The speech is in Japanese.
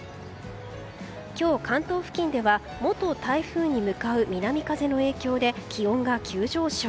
今日、関東付近では元台風に向かう南風の影響で気温が急上昇。